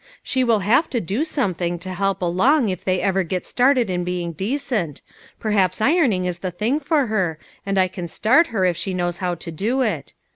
She will have to do something to help along if they ever get started in being decent ; perhaps ironing is the thing for her, and I can start her if she knows how to do it.